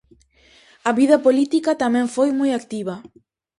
A vida política tamén foi moi activa.